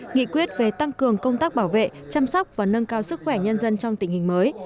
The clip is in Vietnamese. nghị quyết về tăng cường công tác bảo vệ chăm sóc và nâng cao sức khỏe nhân dân trong tình hình mới